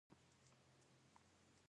• د انګورو پاڼې زرغون او لویې وي.